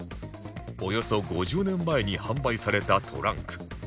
およそ５０年前に販売されたトランク